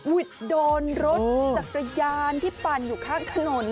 วิทย์โดนรถจักรยานที่ปั่นอยู่ข้างถนน